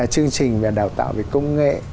chương trình về đào tạo về công nghệ